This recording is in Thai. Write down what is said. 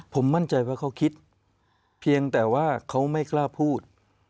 ผมมั่นใจว่าเขาคิดเพียงแต่ว่าเขาไม่กล้าพูด